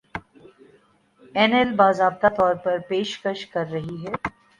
اینایل باضابطہ طور پر پیشکش کر رہی ہے